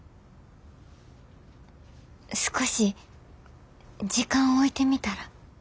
少し時間置いてみたら？